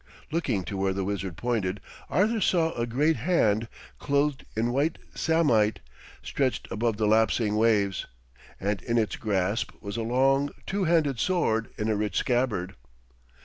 Looking to where the wizard pointed, Arthur saw a great hand, clothed in white samite, stretched above the lapsing waves, and in its grasp was a long two handed sword in a rich scabbard.